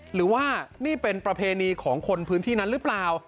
หรือว่านี่เป็นประเพณีของคนพื้นที่นั้นหรือเปล่า